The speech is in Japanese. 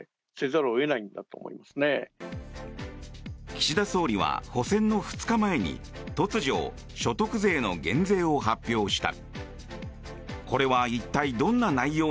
岸田総理は補選の２日前に突如、所得税の減税を発表した。